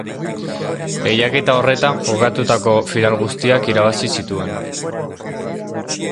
Lehiaketa horretan, jokatutako final guztiak irabazi zituen.